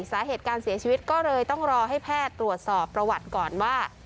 สาเหตุการเสียชีวิตก็เลยต้องรอให้แพทย์ตรวจสอบประวัติก่อนว่า